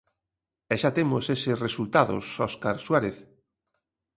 E xa temos eses resultados, Óscar Suárez.